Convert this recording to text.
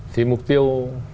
thì mục tiêu